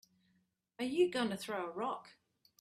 Are you gonna throw a rock?